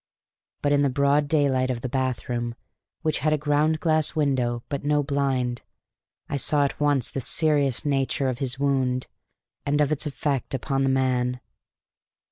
But in the broad daylight of the bathroom, which had a ground glass window but no blind, I saw at once the serious nature of his wound and of its effect upon the man.